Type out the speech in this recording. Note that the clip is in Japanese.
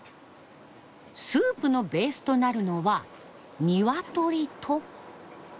スープのベースとなるのはニワトリと。